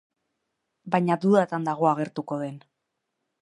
Baina dudatan dago agertuko den.